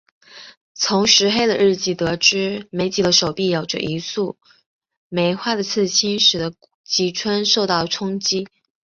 从石黑的日记得知美几的手臂有着一束梅花的刺青使得吉村受到了冲击。